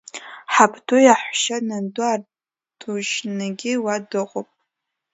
Ҳабду иаҳәшьа, нанду Ардушьнагьы уа дыҟоуп.